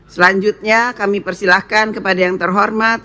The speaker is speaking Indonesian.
selanjutnya kami persilahkan kepada yang terhormat